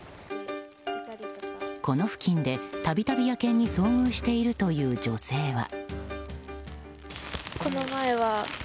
この付近で度々、野犬に遭遇しているという女性は。